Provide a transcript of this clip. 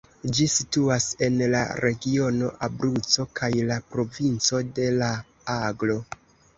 Ĝi situas en la regiono Abruco kaj la provinco de La-Aglo.